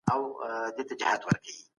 په دې هېواد کي د ټولو خلګو وقار ساتل کيږي.